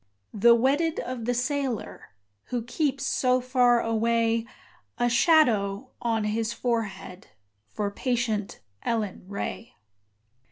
The wedded of the sailor Who keeps so far away: A shadow on his forehead For patient Ellen Ray.